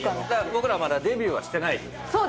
僕らまだデビューはしてないとき。